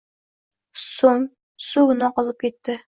So`ng, suv uni oqizib ketdi